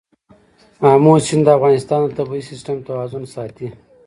آمو سیند د افغانستان د طبعي سیسټم توازن ساتي.